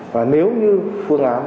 và nếu như phương án